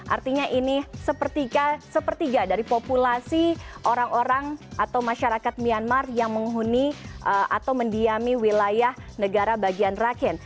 artinya ini sepertiga dari populasi orang orang atau masyarakat myanmar yang menghuni atau mendiami wilayah negara bagian rakin